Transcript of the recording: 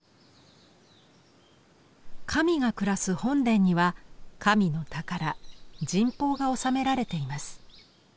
神が暮らす本殿には神の宝・神宝がおさめられています。